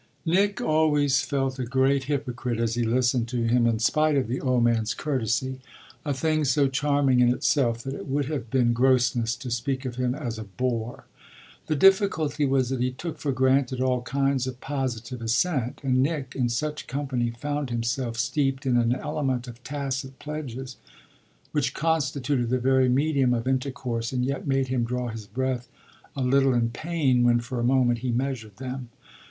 Nick always felt a great hypocrite as he listened to him, in spite of the old man's courtesy a thing so charming in itself that it would have been grossness to speak of him as a bore. The difficulty was that he took for granted all kinds of positive assent, and Nick, in such company, found himself steeped in an element of tacit pledges which constituted the very medium of intercourse and yet made him draw his breath a little in pain when for a moment he measured them.